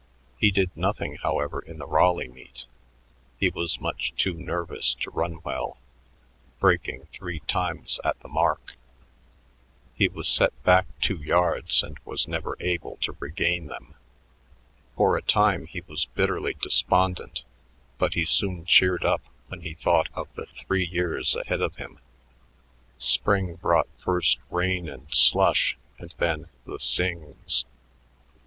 He did nothing, however, in the Raleigh meet; he was much too nervous to run well, breaking three times at the mark. He was set back two yards and was never able to regain them. For a time he was bitterly despondent, but he soon cheered up when he thought of the three years ahead of him. Spring brought first rain and slush and then the "sings."